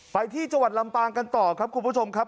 ไปที่จังหวัดลำปางกันต่อครับคุณผู้ชมครับ